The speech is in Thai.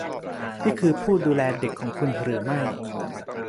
นี่คือผู้ดูแลเด็กของคุณหรือไม่ ?